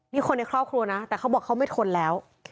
นี่คนในครอบครัวนะแต่เขาบอกเขาไม่ทนแล้ว